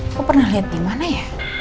aku pernah lihat dimana ya